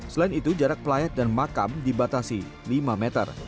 selain itu jarak pelayat dan makam dibatasi lima meter